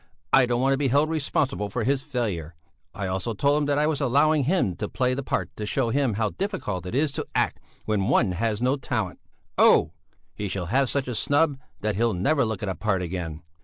I don't want to be held responsible for his failure; I also told him that I was allowing him to play the part to show him how difficult it is to act when one has no talent. Oh! He shall have such a snub that he'll never look at a part again.